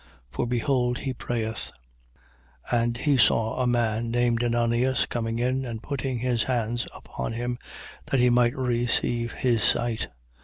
For behold he prayeth. 9:12. (And he saw a man named Ananias coming in and putting his hands upon him, that he might receive his sight.)